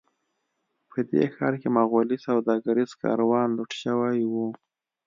په دې ښار کې مغولي سوداګریز کاروان لوټ شوی و.